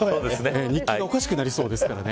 日記がおかしくなりそうですからね。